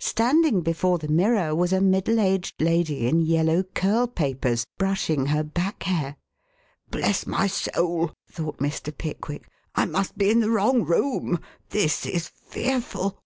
Standing before the mirror was a middle aged lady in yellow curl papers, brushing her back hair. "Bless my soul!" thought Mr. Pickwick. "I must be in the wrong room. This is fearful!"